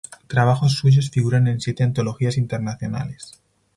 Trabajos suyos figuran en siete antologías internacionales.